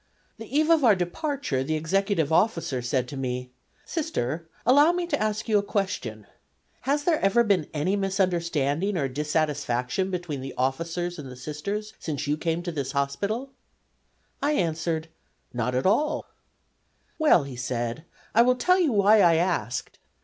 The eve of our departure the executive officer said to me: "Sister, allow me to ask you a question. Has there ever been any misunderstanding or dissatisfaction between the officers and the Sisters since you came to this hospital?" I answered: 'Not at all.' 'Well,' he said, 'I will tell you why I asked.